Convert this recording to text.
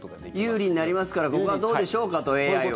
有利になりますからここはどうでしょうかとＡＩは。